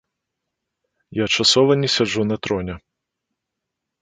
Я часова не сяджу на троне.